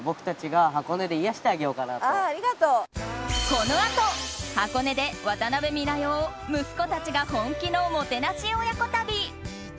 このあと、箱根で渡辺美奈代を息子たちが本気のもてなし親子旅！